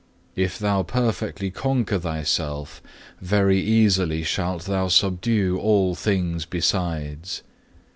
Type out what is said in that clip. If thou perfectly conquer thyself, very easily shalt thou subdue all things besides.